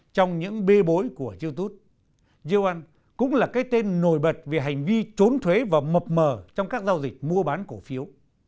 trong những bê bối của youtube yeo an cũng là cái tên nổi bật về hành vi trốn thuế và mập mờ trong các giao dịch mua bán cổ phiếu